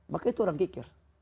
maka itu orang kikir